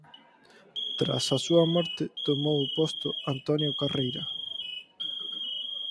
Tras a súa morte tomou o posto Antonio Carreira.